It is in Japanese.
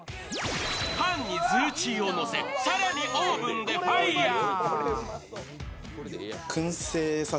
パンにズーチーをのせ更にオーブンでファイヤー。